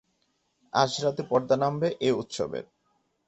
আজ রাতে পর্দা নামবে এ উৎসবের।